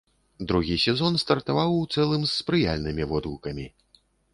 Другі сезон стартаваў у цэлым з спрыяльнымі водгукамі.